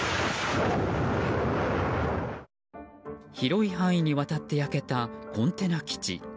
広い範囲にわたって焼けたコンテナ基地。